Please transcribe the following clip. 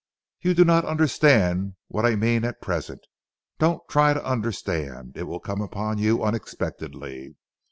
You do not understand what I mean at present. Don't try to understand. It will come upon you unexpectedly.